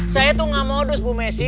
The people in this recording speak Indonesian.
saya itu nggak modus bu messi